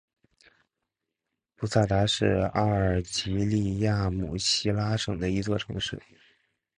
布萨达是阿尔及利亚姆西拉省的一座城市。